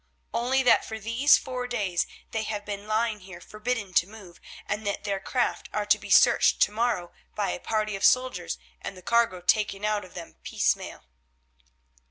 "Only that for these four days they have been lying here forbidden to move, and that their craft are to be searched to morrow by a party of soldiers, and the cargo taken out of them piecemeal."